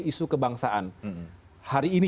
isu kebangsaan hari ini